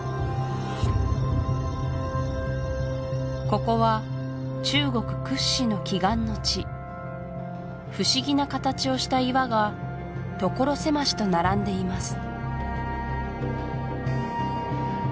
ここは中国屈指の奇岩の地不思議な形をした岩が所狭しと並んでいます